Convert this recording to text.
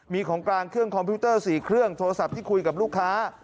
มีของกลางเครื่องคอมพิวเตอร์๔เครื่องโทรศัพท์ที่คุยกับลูกค้า